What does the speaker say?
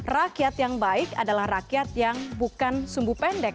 rakyat yang baik adalah rakyat yang bukan sumbu pendek